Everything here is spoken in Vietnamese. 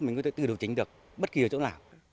mình có thể tự điều chỉnh được bất kỳ ở chỗ nào